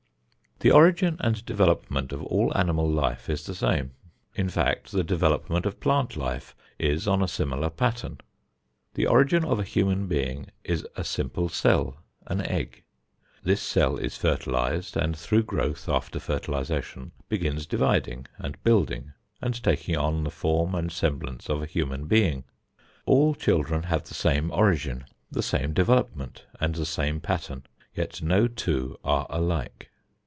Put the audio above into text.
The origin and development of all animal life is the same. In fact, the development of plant life is on a similar pattern. The origin of a human being is a simple cell, an egg. This cell is fertilized and through growth after fertilization begins dividing and building and taking on the form and semblance of a human being. All children have the same origin, the same development and the same pattern, yet no two are alike.